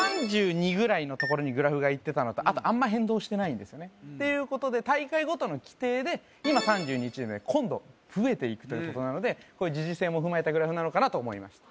３２ぐらいのところにグラフがいってたのとあとあんま変動してないんですよねていうことで大会ごとの規定で今３２チームで今度増えていくということなので時事性も踏まえたグラフなのかなと思いました